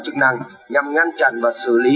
chức năng nhằm ngăn chặn và xử lý